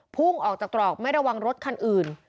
พุ่งออกจากตรอกไม่ระวังรถคันอื่น